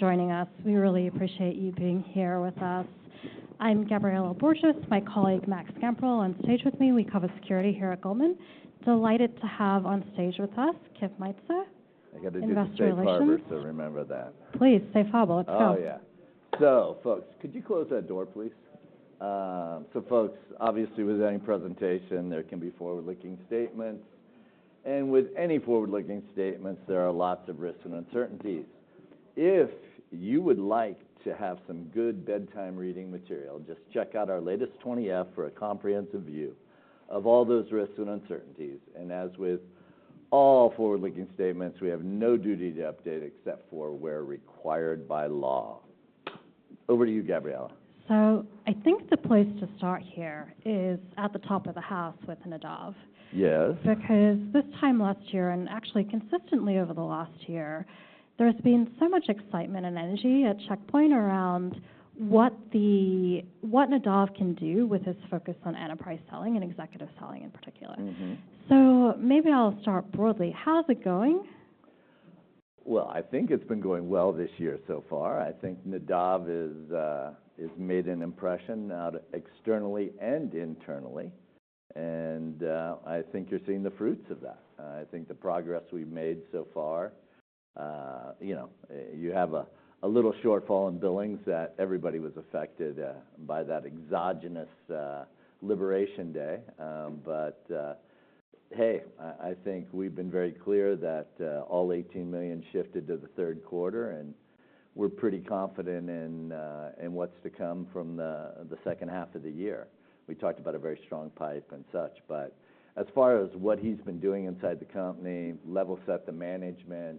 Joining us. We really appreciate you being here with us. I'm Gabriela Borges. My colleague Max Gamperl on stage with me. We cover security here at Goldman. Delighted to have on stage with us Kip Meintzer. I got to do this for Harvard to remember that. Please let's go. Oh, yeah. So, folks, could you close that door, please? So, folks, obviously, with any presentation, there can be forward-looking statements. And with any forward-looking statements, there are lots of risks and uncertainties. If you would like to have some good bedtime reading material, just check out our latest 20-F for a comprehensive view of all those risks and uncertainties. And as with all forward-looking statements, we have no duty to update except for where required by law. Over to you, Gabriela. So I think the place to start here is at the top of the house with Nadav. Yes. Because this time last year, and actually consistently over the last year, there has been so much excitement and energy at Check Point around what Nadav can do with his focus on enterprise selling and executive selling in particular. So maybe I'll start broadly. How's it going? I think it's been going well this year so far. I think Nadav has made an impression out externally and internally. And I think you're seeing the fruits of that. I think the progress we've made so far, you know, you have a little shortfall in billings that everybody was affected by that exogenous liberation day. But, hey, I think we've been very clear that all $18 million shifted to the third quarter. And we're pretty confident in what's to come from the second half of the year. We talked about a very strong pipe and such. But as far as what he's been doing inside the company, level set the management.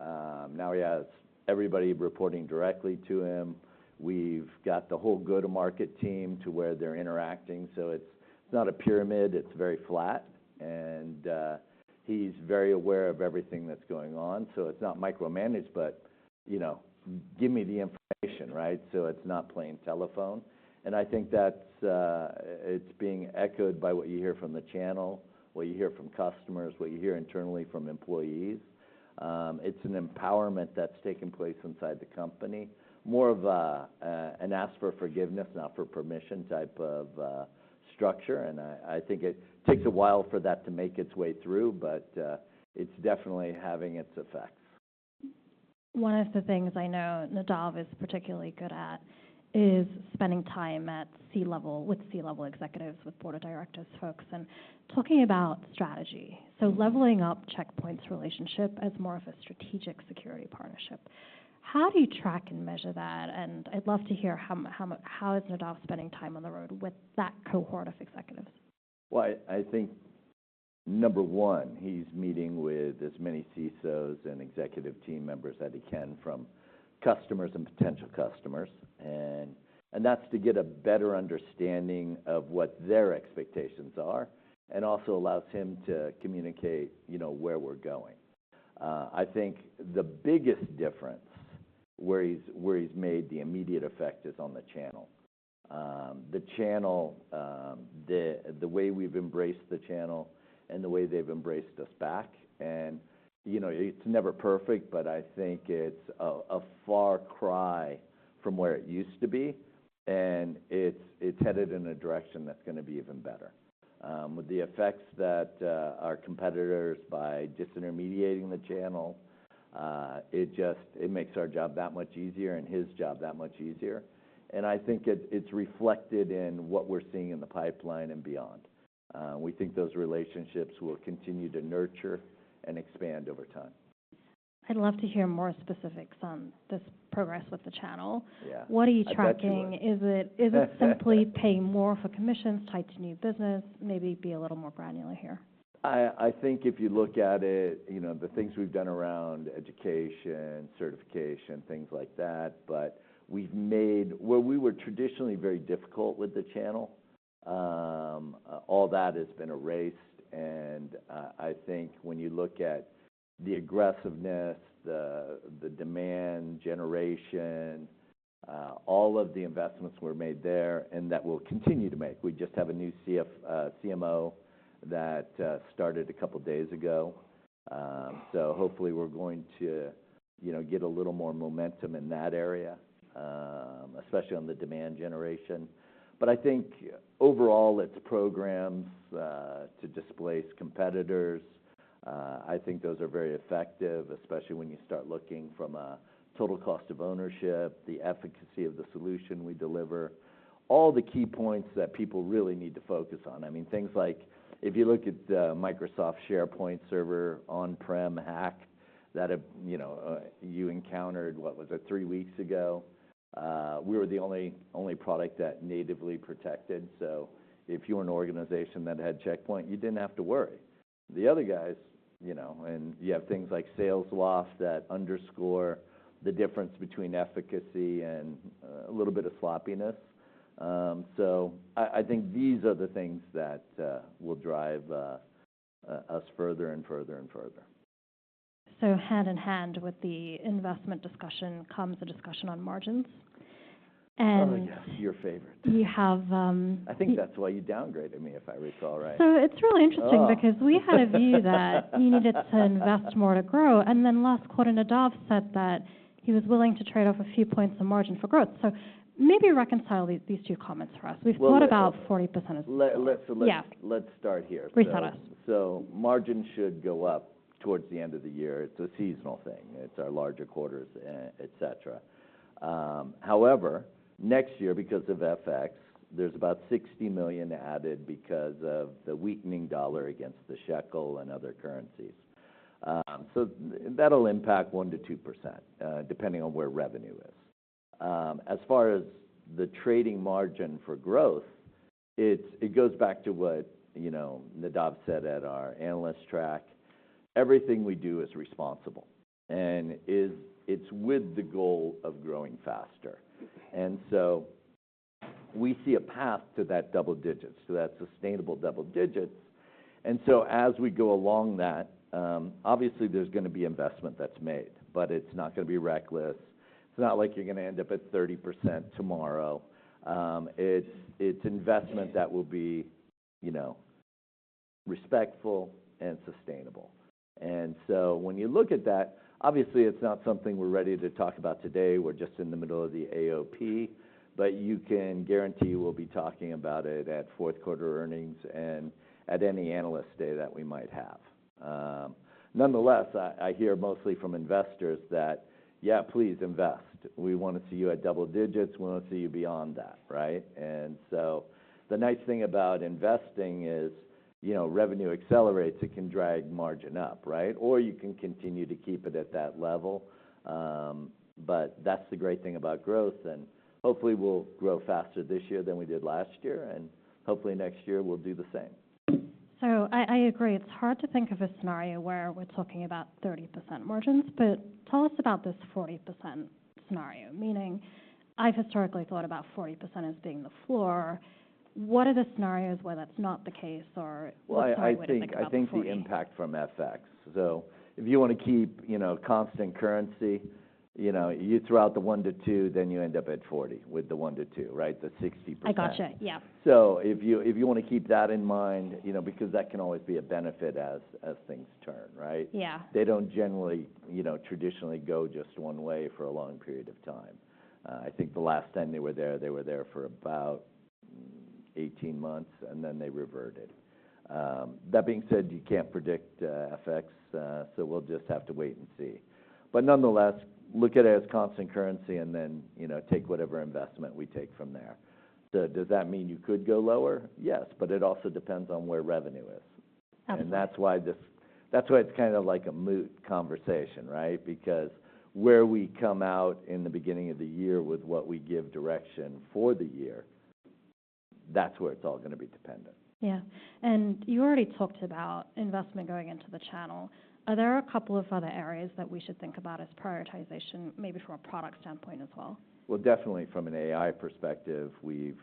Now he has everybody reporting directly to him. We've got the whole go-to-market team to where they're interacting. So it's not a pyramid. It's very flat. And he's very aware of everything that's going on. So it's not micromanaged, but, you know, give me the information, right? So it's not plain telephone. And I think that it's being echoed by what you hear from the channel, what you hear from customers, what you hear internally from employees. It's an empowerment that's taking place inside the company, more of an ask for forgiveness, not for permission type of structure. And I think it takes a while for that to make its way through. But it's definitely having its effects. One of the things I know Nadav is particularly good at is spending time at C-level with C-level executives, with board of directors, folks, and talking about strategy, so leveling up Check Point's relationship as more of a strategic security partnership. How do you track and measure that, and I'd love to hear how is Nadav spending time on the road with that cohort of executives? I think, number one, he's meeting with as many CISOs and executive team members that he can from customers and potential customers. And that's to get a better understanding of what their expectations are and also allows him to communicate, you know, where we're going. I think the biggest difference where he's made the immediate effect is on the channel. The channel, the way we've embraced the channel, and the way they've embraced us back. And, you know, it's never perfect, but I think it's a far cry from where it used to be. And it's headed in a direction that's going to be even better. With the effects that our competitors by just intermediating the channel, it just makes our job that much easier and his job that much easier. And I think it's reflected in what we're seeing in the pipeline and beyond. We think those relationships will continue to nurture and expand over time. I'd love to hear more specifics on this progress with the channel. What are you tracking? Is it simply pay more for commissions tied to new business? Maybe be a little more granular here. I think if you look at it, you know, the things we've done around education, certification, things like that. But we've made where we were traditionally very difficult with the channel, all that has been erased. And I think when you look at the aggressiveness, the demand generation, all of the investments were made there and that will continue to make. We just have a new CMO that started a couple of days ago. So hopefully we're going to, you know, get a little more momentum in that area, especially on the demand generation. But I think overall, it's programs to displace competitors. I think those are very effective, especially when you start looking from a total cost of ownership, the efficacy of the solution we deliver, all the key points that people really need to focus on. I mean, things like if you look at Microsoft SharePoint server on-prem hack that, you know, you encountered, what was it, three weeks ago, we were the only product that natively protected. So if you were an organization that had Check Point, you didn't have to worry. The other guys, you know, and you have things like Salesloft that underscore the difference between efficacy and a little bit of sloppiness. So I think these are the things that will drive us further and further and further. Hand in hand with the investment discussion comes a discussion on margins. Oh, yes. Your favorite. You have. I think that's why you downgraded me, if I recall right. So it's really interesting because we had a view that you needed to invest more to grow. And then last quarter, Nadav said that he was willing to trade off a few points of margin for growth. So maybe reconcile these two comments for us. We've put about 40%. Let's start here. [Preach] on us. So margin should go up towards the end of the year. It's a seasonal thing. It's our larger quarters, et cetera. However, next year, because of FX, there's about $60 million added because of the weakening dollar against the shekel and other currencies. So that'll impact 1% to 2%, depending on where revenue is. As far as the trading margin for growth, it goes back to what, you know, Nadav said at our analyst track. Everything we do is responsible. And it's with the goal of growing faster. And so we see a path to that double digits, to that sustainable double digits. And so as we go along that, obviously there's going to be investment that's made, but it's not going to be reckless. It's not like you're going to end up at 30% tomorrow. It's investment that will be, you know, respectful and sustainable. And so when you look at that, obviously it's not something we're ready to talk about today. We're just in the middle of the AOP. But you can guarantee we'll be talking about it at fourth quarter earnings and at any Analyst Day that we might have. Nonetheless, I hear mostly from investors that, yeah, please invest. We want to see you at double digits. We want to see you beyond that, right? And so the nice thing about investing is, you know, revenue accelerates. It can drag margin up, right? Or you can continue to keep it at that level. But that's the great thing about growth. And hopefully we'll grow faster this year than we did last year. And hopefully next year we'll do the same. I agree. It's hard to think of a scenario where we're talking about 30% margins. But tell us about this 40% scenario, meaning I've historically thought about 40% as being the floor. What are the scenarios where that's not the case or what would be the impact? I think the impact from FX, so if you want to keep, you know, constant currency, you know, you throw out the 1%-2%, then you end up at 40% with the 1%-2%, right? The 60%. I gotcha. Yeah. So if you want to keep that in mind, you know, because that can always be a benefit as things turn, right? Yeah. They don't generally, you know, traditionally go just one way for a long period of time. I think the last time they were there, they were there for about 18 months, and then they reverted. That being said, you can't predict FX. So we'll just have to wait and see. But nonetheless, look at it as constant currency and then, you know, take whatever investment we take from there. So does that mean you could go lower? Yes. But it also depends on where revenue is. Absolutely. That's why it's kind of like a moot conversation, right? Because where we come out in the beginning of the year with what we give direction for the year, that's where it's all going to be dependent. Yeah. And you already talked about investment going into the channel. Are there a couple of other areas that we should think about as prioritization, maybe from a product standpoint as well? Definitely from an AI perspective, we've,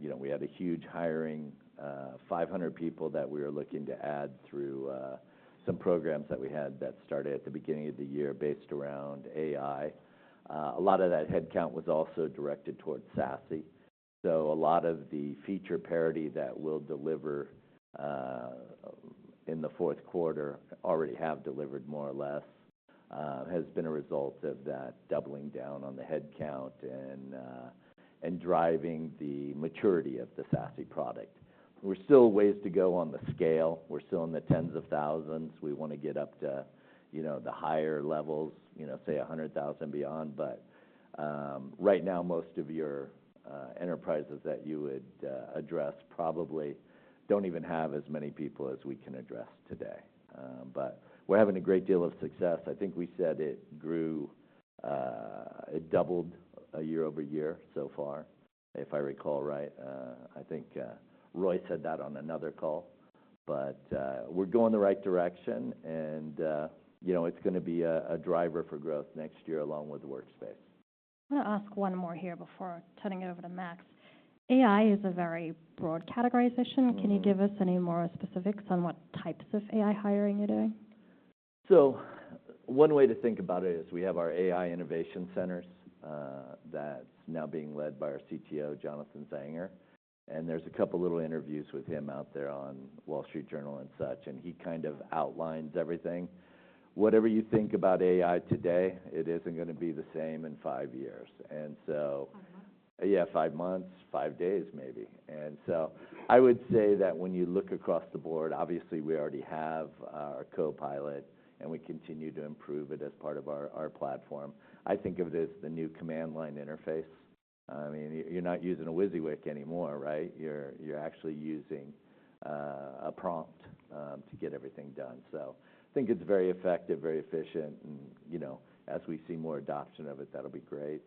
you know, we had a huge hiring, 500 people that we were looking to add through some programs that we had that started at the beginning of the year based around AI. A lot of that headcount was also directed towards SASE. So a lot of the feature parity that we'll deliver in the fourth quarter already have delivered more or less has been a result of that doubling down on the headcount and driving the maturity of the SASE product. We're still ways to go on the scale. We're still in the tens of thousands. We want to get up to, you know, the higher levels, you know, say 100,000 and beyond. But right now, most of your enterprises that you would address probably don't even have as many people as we can address today. But we're having a great deal of success. I think we said it grew, it doubled year-over-year so far, if I recall right. I think Roei said that on another call. But we're going the right direction. And, you know, it's going to be a driver for growth next year along with workspace. I want to ask one more here before turning it over to Max. AI is a very broad categorization. Can you give us any more specifics on what types of AI hiring you're doing? One way to think about it is we have our AI innovation centers that's now being led by our CTO, Jonathan Zanger. There's a couple of little interviews with him out there on The Wall Street Journal and such. He kind of outlines everything. Whatever you think about AI today, it isn't going to be the same in five years. And so. Five months? Yeah, five months, five days maybe. And so I would say that when you look across the board, obviously we already have our Copilot and we continue to improve it as part of our platform. I think of it as the new command line interface. I mean, you're not using a WYSIWYG anymore, right? You're actually using a prompt to get everything done. So I think it's very effective, very efficient. And, you know, as we see more adoption of it, that'll be great.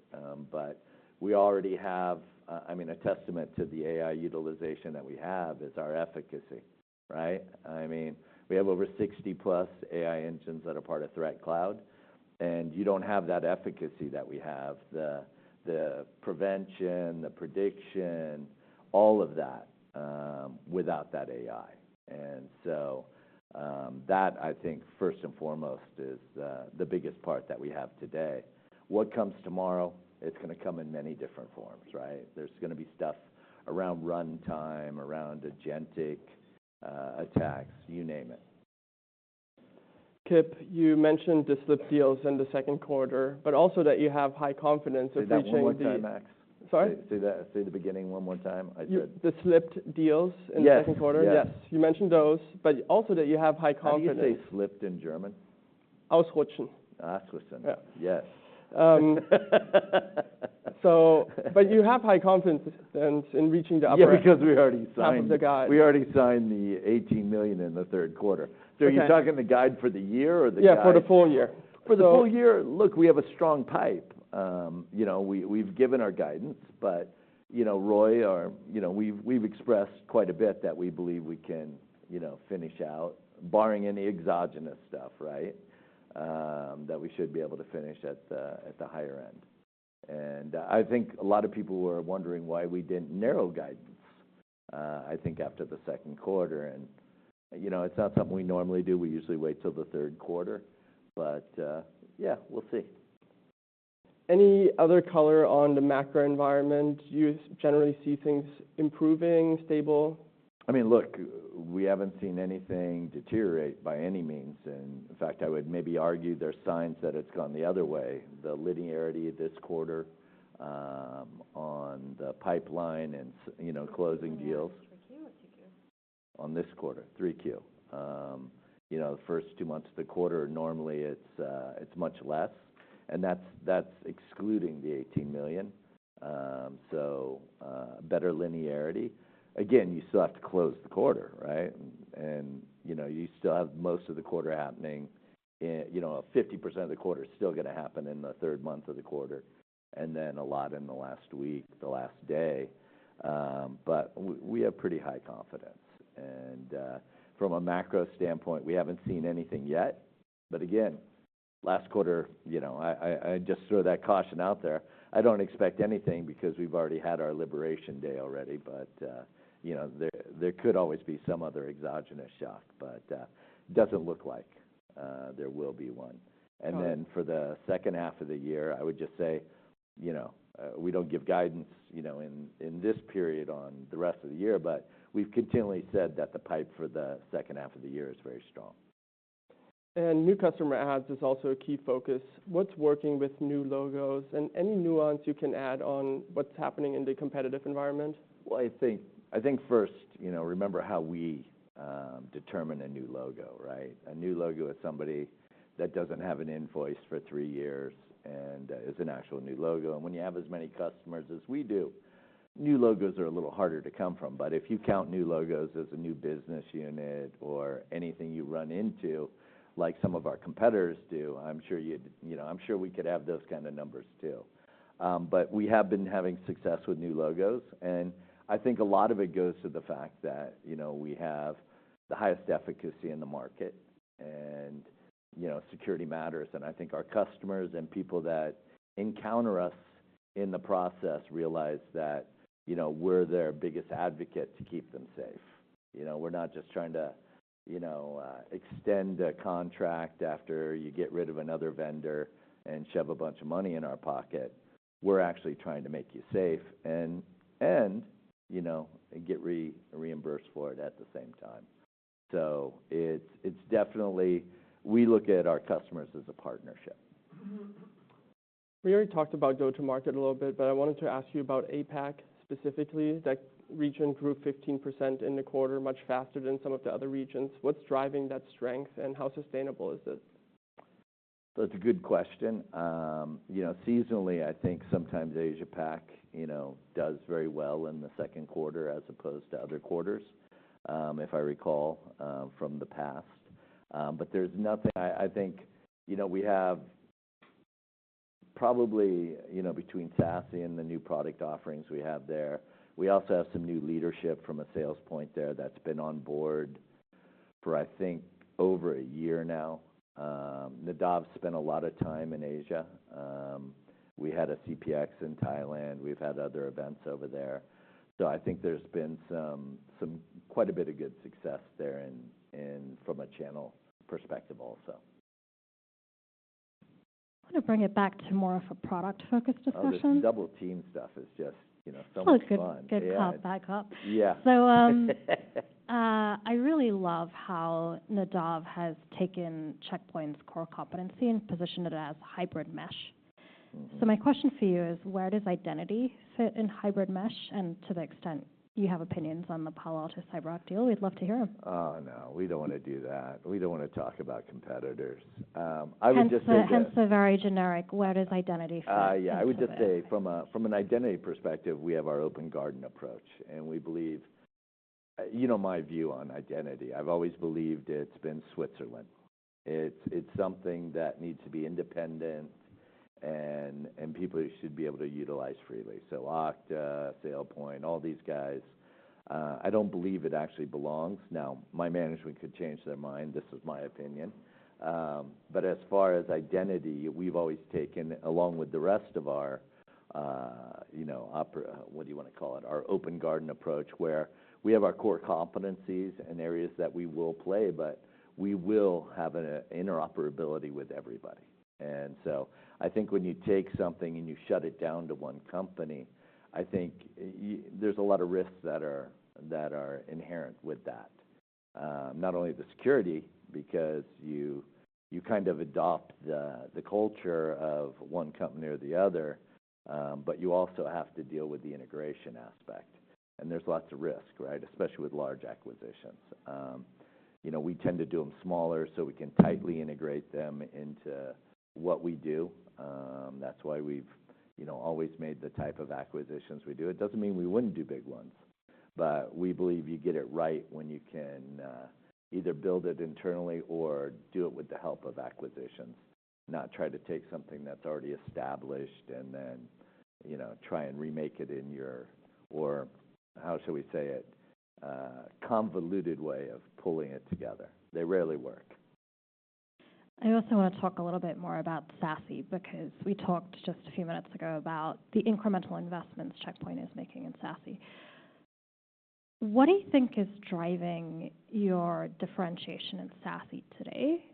But we already have, I mean, a testament to the AI utilization that we have is our efficacy, right? I mean, we have over 60+ AI engines that are part of ThreatCloud. And you don't have that efficacy that we have, the prevention, the prediction, all of that without that AI. And so that, I think, first and foremost, is the biggest part that we have today. What comes tomorrow, it's going to come in many different forms, right? There's going to be stuff around runtime, around agentic attacks, you name it. Kip, you mentioned the slipped deals in the second quarter, but also that you have high confidence in reaching the. Say that one more time, Max. Sorry? Say the beginning one more time. The slipped deals in the second quarter? Yes. Yes. You mentioned those, but also that you have high confidence. Did you say slipped in German? Ausrutschen. Ausrutschen, yes. So, but you have high confidence in reaching the upper half of the guide. Yeah, because we already signed the $18 million in the third quarter. So are you talking the guide for the year or the guide? Yeah, for the full year. For the full year, look, we have a strong pipe. You know, we've given our guidance, but you know, Roei, or you know, we've expressed quite a bit that we believe we can, you know, finish out, barring any exogenous stuff, right, that we should be able to finish at the higher end, and I think a lot of people were wondering why we didn't narrow guidance, I think, after the second quarter, and you know, it's not something we normally do. We usually wait till the third quarter, but yeah, we'll see. Any other color on the macro environment? Do you generally see things improving, stable? I mean, look, we haven't seen anything deteriorate by any means, and in fact, I would maybe argue there's signs that it's gone the other way. The linearity this quarter on the pipeline and, you know, closing deals. 3Q or 2Q? In this quarter, Q3. You know, the first two months of the quarter, normally it's much less, and that's excluding the $18 million. So better linearity. Again, you still have to close the quarter, right? You know, you still have most of the quarter happening. You know, 50% of the quarter is still going to happen in the third month of the quarter, and then a lot in the last week, the last day. We have pretty high confidence, and from a macro standpoint, we haven't seen anything yet. Last quarter, you know, I just throw that caution out there. I don't expect anything because we've already had our liberation day already. You know, there could always be some other exogenous shock, but it doesn't look like there will be one. And then for the second half of the year, I would just say, you know, we don't give guidance, you know, in this period on the rest of the year. But we've continually said that the pipe for the second half of the year is very strong. New customer adds is also a key focus. What's working with new logos and any nuance you can add on what's happening in the competitive environment? I think, I think first, you know, remember how we determine a new logo, right? A new logo is somebody that doesn't have an invoice for three years and is an actual new logo. And when you have as many customers as we do, new logos are a little harder to come from. But if you count new logos as a new business unit or anything you run into, like some of our competitors do, I'm sure you, you know, I'm sure we could have those kinds of numbers too. But we have been having success with new logos. And I think a lot of it goes to the fact that, you know, we have the highest efficacy in the market. And, you know, security matters. I think our customers and people that encounter us in the process realize that, you know, we're their biggest advocate to keep them safe. You know, we're not just trying to, you know, extend a contract after you get rid of another vendor and shove a bunch of money in our pocket. We're actually trying to make you safe and, you know, get reimbursed for it at the same time. So it's definitely. We look at our customers as a partnership. We already talked about go-to-market a little bit, but I wanted to ask you about APAC specifically. That region grew 15% in the quarter, much faster than some of the other regions. What's driving that strength and how sustainable is it? That's a good question. You know, seasonally, I think sometimes Asia-Pac, you know, does very well in the second quarter as opposed to other quarters, if I recall from the past. But there's nothing, I think, you know, we have probably, you know, between SASE and the new product offerings we have there, we also have some new leadership from a sales point there that's been on board for, I think, over a year now. Nadav spent a lot of time in Asia. We had a CPX in Thailand. We've had other events over there. So I think there's been some quite a bit of good success there from a channel perspective also. I want to bring it back to more of a product-focused discussion. The double team stuff is just, you know, so much fun. It's a good path back up. Yeah. So I really love how Nadav has taken Check Point's core competency and positioned it as a hybrid mesh. So my question for you is, where does identity fit in hybrid mesh? And to the extent you have opinions on the Palo Alto-CyberArk deal, we'd love to hear them. Oh, no. We don't want to do that. We don't want to talk about competitors. And so hence the very generic, where does identity fit? Yeah. I would just say from an identity perspective, we have our open garden approach. And we believe, you know, my view on identity, I've always believed it's been Switzerland. It's something that needs to be independent and people should be able to utilize freely. So Okta, SailPoint, all these guys. I don't believe it actually belongs. Now, my management could change their mind. This is my opinion. But as far as identity, we've always taken, along with the rest of our, you know, what do you want to call it, our open garden approach, where we have our core competencies and areas that we will play, but we will have an interoperability with everybody. And so I think when you take something and you shut it down to one company, I think there's a lot of risks that are inherent with that. Not only the security, because you kind of adopt the culture of one company or the other, but you also have to deal with the integration aspect. And there's lots of risk, right? Especially with large acquisitions. You know, we tend to do them smaller so we can tightly integrate them into what we do. That's why we've, you know, always made the type of acquisitions we do. It doesn't mean we wouldn't do big ones. But we believe you get it right when you can either build it internally or do it with the help of acquisitions. Not try to take something that's already established and then, you know, try and remake it in your, or how shall we say it, convoluted way of pulling it together. They rarely work. I also want to talk a little bit more about SASE because we talked just a few minutes ago about the incremental investments Check Point is making in SASE. What do you think is driving your differentiation in SASE today?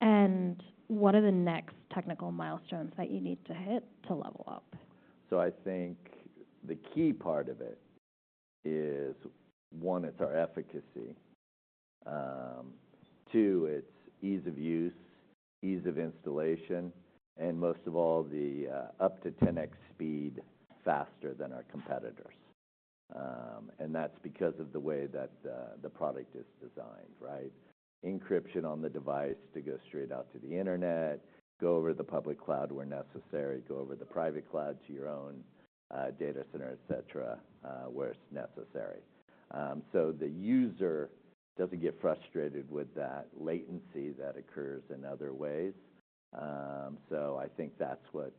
And what are the next technical milestones that you need to hit to level up? So I think the key part of it is, one, it's our efficacy. Two, it's ease of use, ease of installation, and most of all, the up to 10x speed faster than our competitors. And that's because of the way that the product is designed, right? Encryption on the device to go straight out to the internet, go over to the public cloud where necessary, go over to the private cloud to your own data center, et cetera, where it's necessary. So the user doesn't get frustrated with that latency that occurs in other ways. So I think that's what's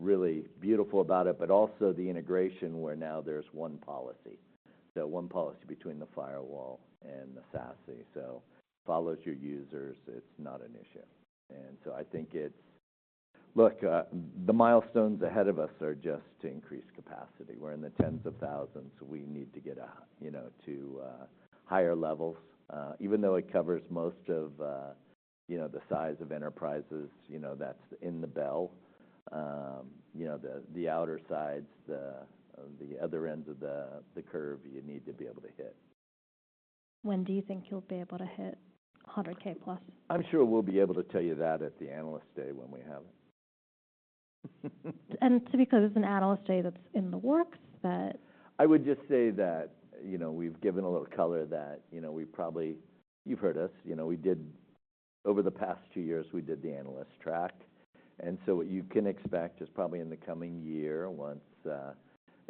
really beautiful about it. But also the integration where now there's one policy. So one policy between the firewall and the SASE. So it follows your users. It's not an issue. And so I think it's, look, the milestones ahead of us are just to increase capacity. We're in the tens of thousands. We need to get out, you know, to higher levels. Even though it covers most of, you know, the size of enterprises, you know, that's in the bell curve. You know, the outer sides, the other ends of the curve you need to be able to hit. When do you think you'll be able to hit 100k+? I'm sure we'll be able to tell you that at the Analyst Day when we have it. And to be clear, there's an Analyst Day that's in the works that? I would just say that, you know, we've given a little color that, you know, we probably, you've heard us. You know, we did, over the past two years, we did the analyst track. And so what you can expect is probably in the coming year, once,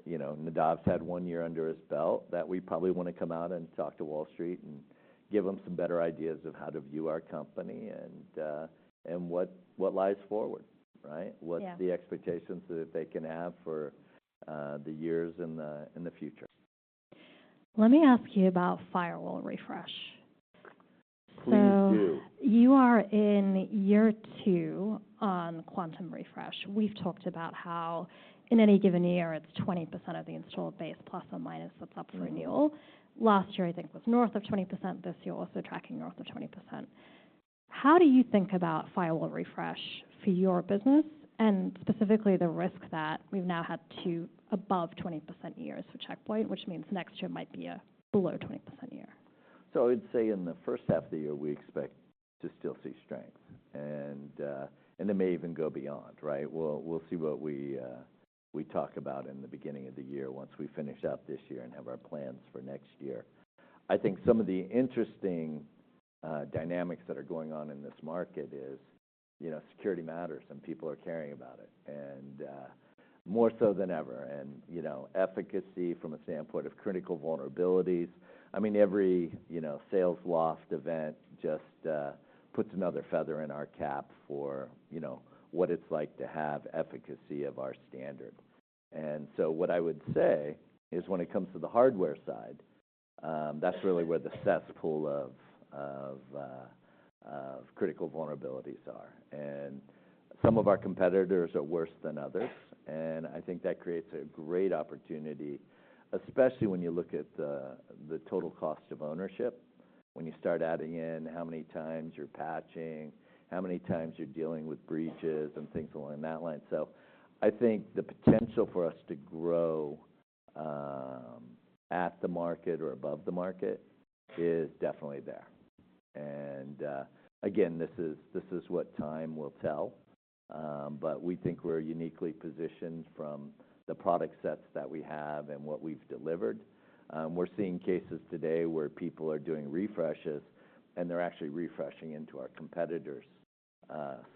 you know, Nadav's had one year under his belt, that we probably want to come out and talk to Wall Street and give them some better ideas of how to view our company and what lies forward, right? What's the expectations that they can have for the years in the future? Let me ask you about firewall refresh. Please do. So you are in year two on Quantum refresh. We've talked about how in any given year, it's 20% of the installed base plus or minus what's up for renewal. Last year, I think, was north of 20%. This year, also tracking north of 20%. How do you think about firewall refresh for your business and specifically the risk that we've now had two above 20% years for Check Point, which means next year might be a below 20% year? So I would say in the first half of the year, we expect to still see strength. And it may even go beyond, right? We'll see what we talk about in the beginning of the year once we finish up this year and have our plans for next year. I think some of the interesting dynamics that are going on in this market is, you know, security matters and people are caring about it. And more so than ever. And, you know, efficacy from a standpoint of critical vulnerabilities. I mean, every, you know, Salesloft event just puts another feather in our cap for, you know, what it's like to have efficacy of our standard. And so what I would say is when it comes to the hardware side, that's really where the cesspool of critical vulnerabilities are. And some of our competitors are worse than others. And I think that creates a great opportunity, especially when you look at the total cost of ownership, when you start adding in how many times you're patching, how many times you're dealing with breaches and things along that line. So I think the potential for us to grow at the market or above the market is definitely there. And again, this is what time will tell. But we think we're uniquely positioned from the product sets that we have and what we've delivered. We're seeing cases today where people are doing refreshes and they're actually refreshing into our competitors'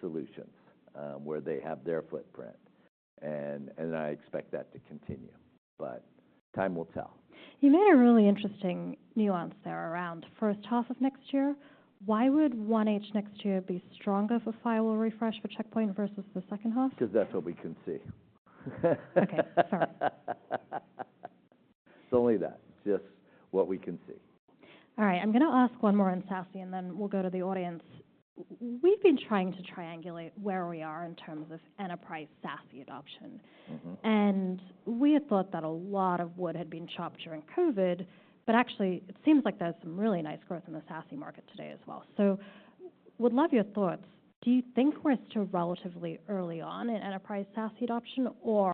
solutions where they have their footprint. And I expect that to continue. But time will tell. You made a really interesting nuance there around first half of next year. Why would 1H next year be stronger for firewall refresh for Check Point versus the second half? Because that's what we can see. Okay. Sorry. It's only that. Just what we can see. All right. I'm going to ask one more on SASE and then we'll go to the audience. We've been trying to triangulate where we are in terms of enterprise SASE adoption. And we had thought that a lot of wood had been chopped during COVID. But actually, it seems like there's some really nice growth in the SASE market today as well. So would love your thoughts. Do you think we're still relatively early on in enterprise SASE adoption? Or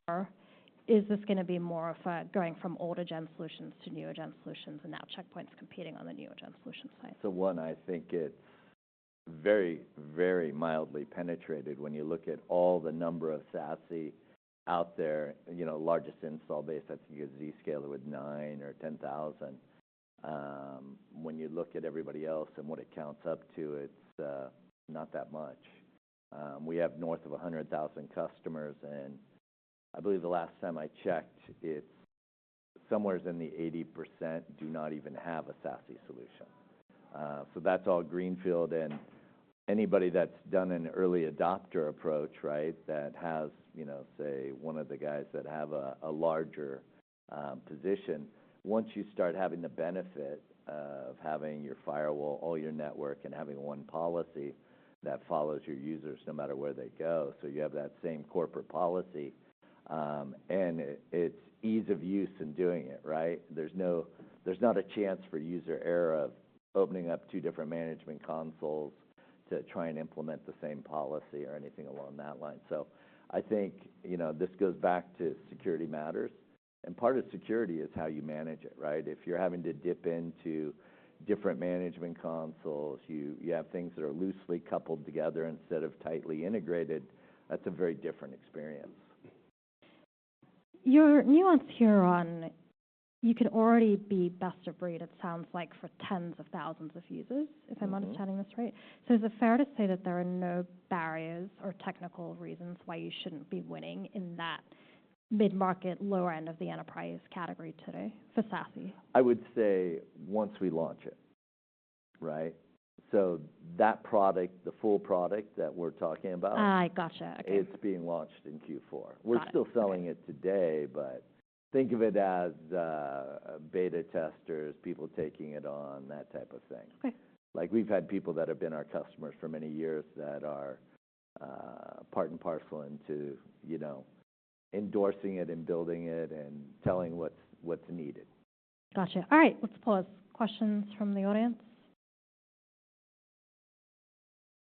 is this going to be more of a going from older-gen solutions to newer-gen solutions and now Check Point's competing on the newer-gen solution side? So one, I think it's very, very mildly penetrated when you look at all the number of SASE out there, you know, largest install base. I think you get Zscaler with nine or 10,000. When you look at everybody else and what it counts up to, it's not that much. We have north of 100,000 customers. And I believe the last time I checked, it's somewhere in the 80% do not even have a SASE solution. So that's all greenfield. And anybody that's done an early adopter approach, right, that has, you know, say, one of the guys that have a larger position, once you start having the benefit of having your firewall, all your network, and having one policy that follows your users no matter where they go. So you have that same corporate policy. And it's ease of use in doing it, right? There's not a chance for user error of opening up two different management consoles to try and implement the same policy or anything along that line. So I think, you know, this goes back to security matters. And part of security is how you manage it, right? If you're having to dip into different management consoles, you have things that are loosely coupled together instead of tightly integrated. That's a very different experience. Your nuance here on you can already be best of breed, it sounds like, for tens of thousands of users, if I'm understanding this right. So is it fair to say that there are no barriers or technical reasons why you shouldn't be winning in that mid-market, lower end of the enterprise category today for SASE? I would say once we launch it, right? So that product, the full product that we're talking about. I gotcha. It's being launched in Q4. We're still selling it today, but think of it as beta testers, people taking it on, that type of thing. Okay. Like we've had people that have been our customers for many years that are part and parcel into, you know, endorsing it and building it and telling what's needed. Gotcha. All right. Let's pause. Questions from the audience?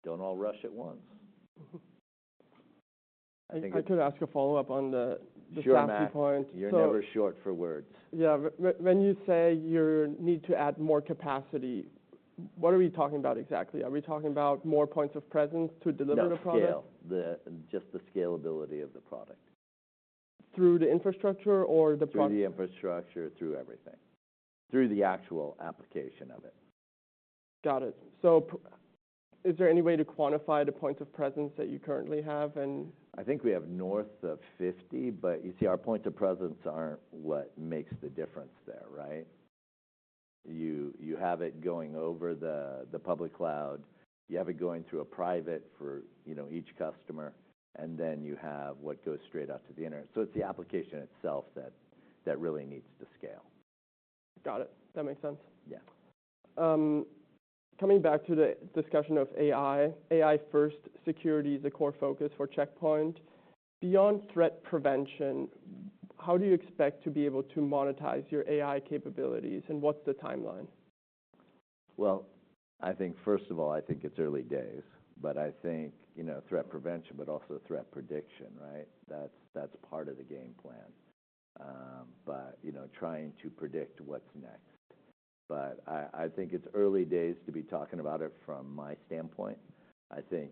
Don't all rush at once. I could ask a follow-up on the SASE point. You're never short for words. Yeah. When you say you need to add more capacity, what are we talking about exactly? Are we talking about more points of presence to deliver the product? Scale. Just the scalability of the product. Through the infrastructure or the product? Through the infrastructure, through everything. Through the actual application of it. Got it. So is there any way to quantify the points of presence that you currently have and? I think we have north of 50, but you see our points of presence aren't what makes the difference there, right? You have it going over the public cloud. You have it going through a private fiber, you know, each customer. And then you have what goes straight out to the internet. So it's the application itself that really needs to scale. Got it. That makes sense. Yeah. Coming back to the discussion of AI, AI-first security is a core focus for Check Point. Beyond threat prevention, how do you expect to be able to monetize your AI capabilities and what's the timeline? I think first of all, I think it's early days. But I think, you know, threat prevention, but also threat prediction, right? That's part of the game plan. But, you know, trying to predict what's next. But I think it's early days to be talking about it from my standpoint. I think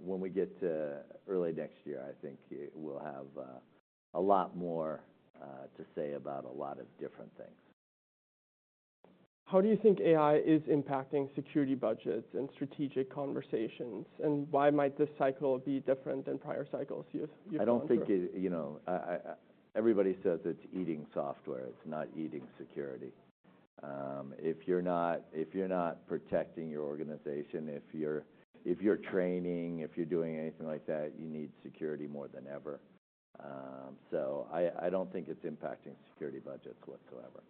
when we get to early next year, I think we'll have a lot more to say about a lot of different things. How do you think AI is impacting security budgets and strategic conversations, and why might this cycle be different than prior cycles you've mentioned? I don't think, you know, everybody says it's eating software. It's not eating security. If you're not protecting your organization, if you're training, if you're doing anything like that, you need security more than ever. So I don't think it's impacting security budgets whatsoever.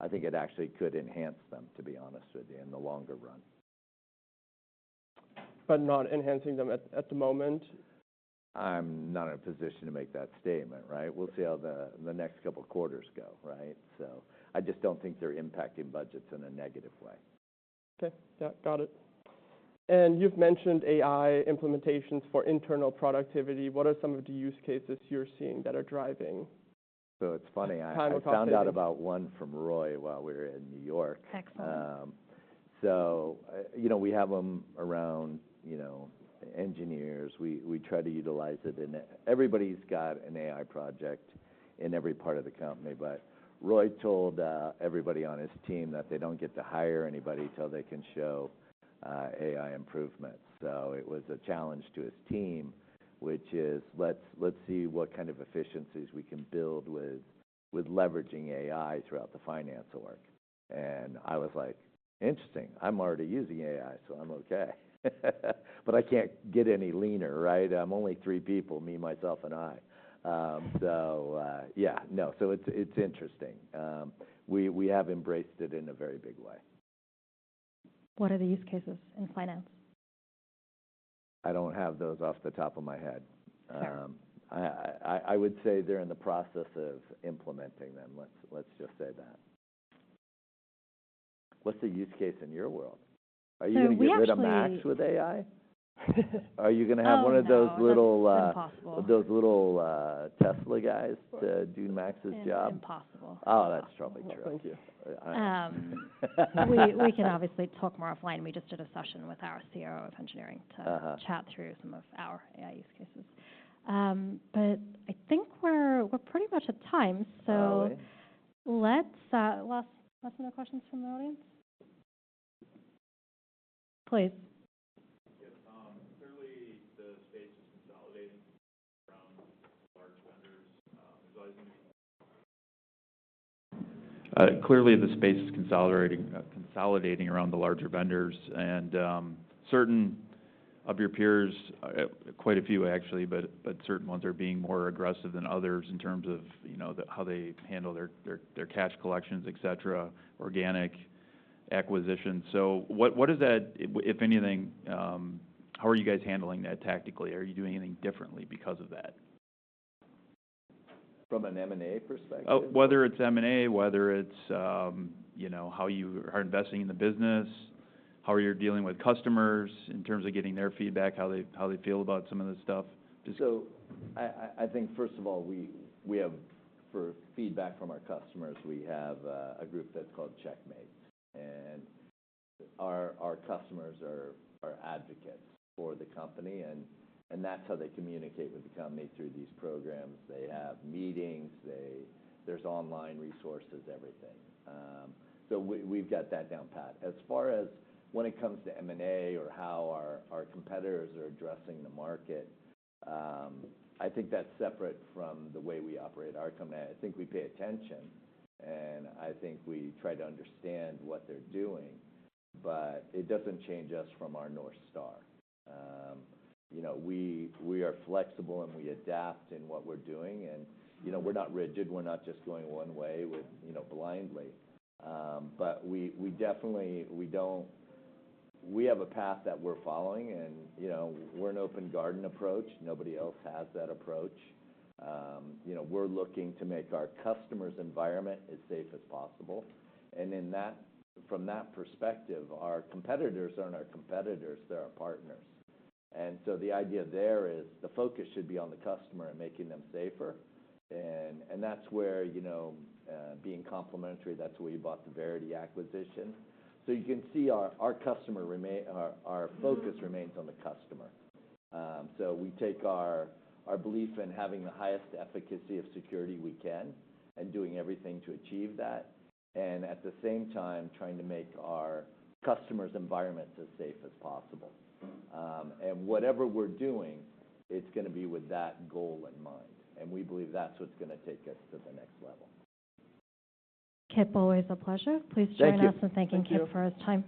I think it actually could enhance them, to be honest with you, in the longer run. But not enhancing them at the moment? I'm not in a position to make that statement, right? We'll see how the next couple of quarters go, right? So I just don't think they're impacting budgets in a negative way. Okay. Yeah. Got it. And you've mentioned AI implementations for internal productivity. What are some of the use cases you're seeing that are driving? It's funny. I found out about one from Roei while we were in New York. Excellent. So, you know, we have them around, you know, engineers. We try to utilize it. And everybody's got an AI project in every part of the company. But Roei told everybody on his team that they don't get to hire anybody until they can show AI improvements. So it was a challenge to his team, which is, "Let's see what kind of efficiencies we can build with leveraging AI throughout the finance org." And I was like, "Interesting. I'm already using AI, so I'm okay." But I can't get any leaner, right? I'm only three people: me, myself, and I. So, yeah. No. So it's interesting. We have embraced it in a very big way. What are the use cases in finance? I don't have those off the top of my head. Okay. I would say they're in the process of implementing them. Let's just say that. What's the use case in your world? Are you going to get rid of Max with AI? Are you going to have one of those little? Impossible. Those little Tesla guys to do Max's job? Impossible. Oh, that's totally true. Oh, thank you. We can obviously talk more offline. We just did a session with our CIO of engineering to chat through some of our AI use cases. But I think we're pretty much at time. So let's ask some more questions from the audience. Please. Clearly, the space is consolidating around large vendors. There's always going to be. Clearly, the space is consolidating around the larger vendors, and certain of your peers, quite a few actually, but certain ones are being more aggressive than others in terms of, you know, how they handle their cash collections, et cetera, organic acquisitions. So what does that, if anything, how are you guys handling that tactically? Are you doing anything differently because of that? From an M&A perspective? Whether it's M&A, whether it's, you know, how you are investing in the business, how are you dealing with customers in terms of getting their feedback, how they feel about some of this stuff? So I think, first of all, we have for feedback from our customers, we have a group that's called CheckMates. And our customers are advocates for the company. And that's how they communicate with the company through these programs. They have meetings. There's online resources, everything. So we've got that down pat. As far as when it comes to M&A or how our competitors are addressing the market, I think that's separate from the way we operate our company. I think we pay attention. And I think we try to understand what they're doing. But it doesn't change us from our North Star. You know, we are flexible and we adapt in what we're doing. And, you know, we're not rigid. We're not just going one way with, you know, blindly. But we definitely, we don't, we have a path that we're following. You know, we're an open garden approach. Nobody else has that approach. You know, we're looking to make our customer's environment as safe as possible. From that perspective, our competitors aren't our competitors. They're our partners. The idea there is the focus should be on the customer and making them safer. That's where, you know, being complementary, that's where we bought the Veriti acquisition. You can see our customer remains, our focus remains on the customer. We take our belief in having the highest efficacy of security we can and doing everything to achieve that. At the same time, trying to make our customer's environment as safe as possible. Whatever we're doing, it's going to be with that goal in mind. We believe that's what's going to take us to the next level. Kip, always a pleasure. Please join us in thanking Kip for his time.